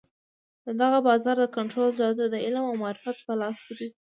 د دغه بازار د کنترول جادو د علم او معرفت په لاس کې دی.